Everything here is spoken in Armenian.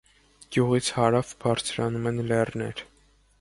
Գյուղից հարավ բարձրանում են լեռներ։